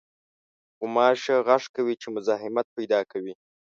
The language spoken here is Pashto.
غوماشه غږ کوي چې مزاحمت پېدا کوي.